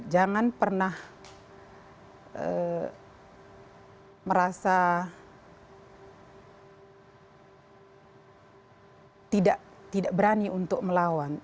jangan pernah merasa tidak berani untuk melawan